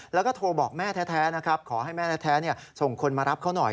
แล้วก็โทรบอกแม่แท้นะครับขอให้แม่แท้ส่งคนมารับเขาหน่อย